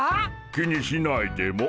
気にしないでモ。